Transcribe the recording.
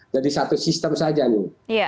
jadi satu sistem saja nih